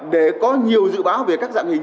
để có nhiều dự báo về các dạng hình